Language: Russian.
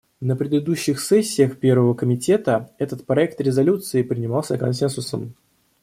На предыдущих сессиях Первого комитета этот проект резолюции принимался консенсусом.